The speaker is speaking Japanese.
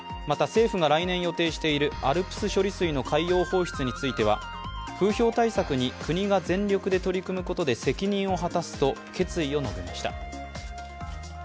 また政府が来年予定しているＡＬＰＳ処理水の海洋放出については風評対策に国が全力で取り組むことで責任を果たすと決意を述べました。